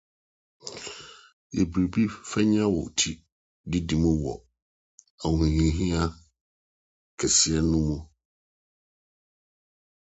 Yɛ biribi fa nya wo ti didi mu wɔ ahohiahia kɛse no mu.